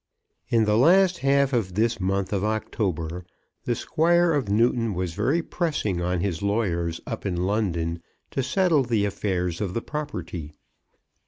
In the last half of this month of October the Squire at Newton was very pressing on his lawyers up in London to settle the affairs of the property.